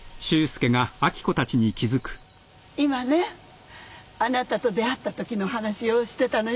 今ねあなたと出会ったときのお話をしてたのよ。